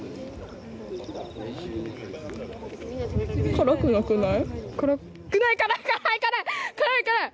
辛くなくない。